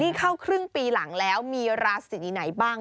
นี่เข้าครึ่งปีหลังแล้วมีราศีไหนบ้าง